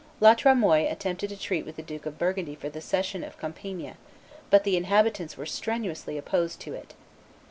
La Tremoille attempted to treat with the Duke of Burgundy for the cession of Compiegne; but the inhabitants were strenuously opposed to it.